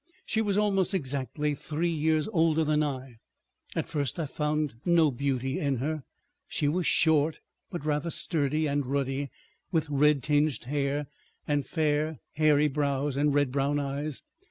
She was almost exactly three years older than I. At first I found no beauty in her, she was short but rather sturdy and ruddy, with red tinged hair, and fair hairy brows and red brown eyes.